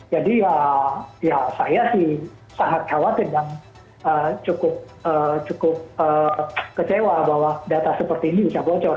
jadi ya saya sih sangat khawatir dan cukup kecewa bahwa data seperti ini bisa bocor